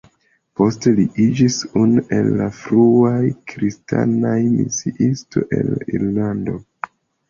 Poste li iĝis unu el la fruaj kristanaj misiistoj al Irlando.